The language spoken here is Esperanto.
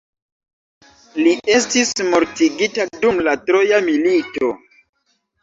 Li estis mortigita dum la troja milito.